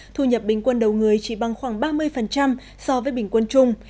thu nhập bình quân đầu người chỉ bằng khoảng ba mươi so với bình quân chung